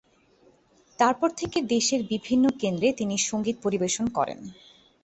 তারপর থেকে দেশের বিভিন্ন কেন্দ্রে তিনি সঙ্গীত পরিবেশন করেন।